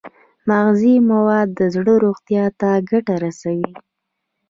مغذي مواد د زړه روغتیا ته ګټه رسوي.